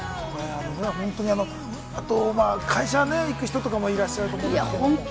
あと会社に行く人とかもいらっしゃると思うんですけれども。